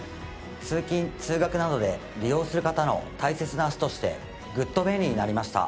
通勤通学などで利用する方の大切な足としてグッと便利になりました。